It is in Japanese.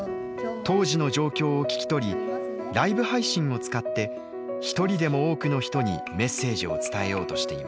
当時の状況を聞き取りライブ配信を使って一人でも多くの人にメッセージを伝えようとしています。